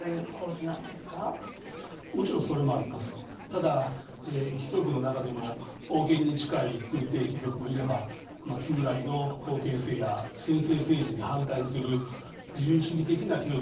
ただ貴族の中でも王権に近い宮廷貴族もいれば旧来の封建制や専制政治に反対する自由主義的な貴族もいます。